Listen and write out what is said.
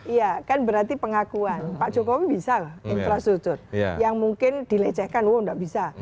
iya kan berarti pengakuan pak jokowi bisa loh infrastruktur yang mungkin dilecehkan wah nggak bisa